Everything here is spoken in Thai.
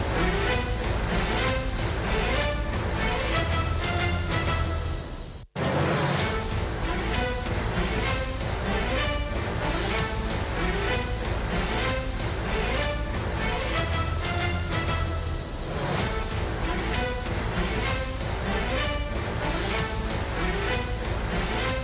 โปรดติดตามตอนต่อไป